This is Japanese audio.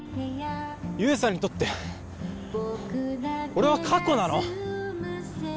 悠さんにとって俺は過去なの？